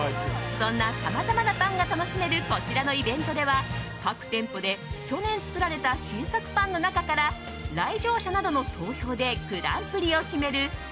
そんなさまざまなパンが楽しめるこちらのイベントでは各店舗で去年作られた新作パンの中から来場者などの投票でグランプリを決める